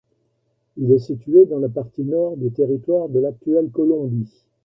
Il est situé dans la partie nord du territoire de l'actuelle Colombie.